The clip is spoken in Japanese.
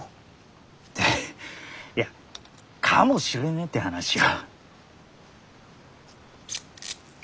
いやかもしれねえって話よ。